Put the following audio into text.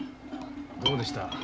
どうでした？